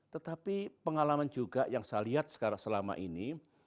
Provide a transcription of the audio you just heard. tetapi pengalaman juga yang saya lihat selama ini